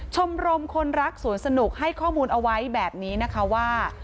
ชมรมคนรักสวนสนุกให้ข้อมูลเอาไว้แบบนี้นะคะว่า